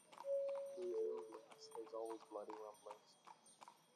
There's rumblings; there's always bloody rumblings.